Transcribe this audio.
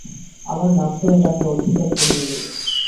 আমার নাম ধরে ডাকার অধিকার তোমার নেই!